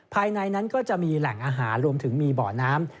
ภายในนั้นก็จะมีแหล่งอาหารรวมถึงมีบ่อน้ำ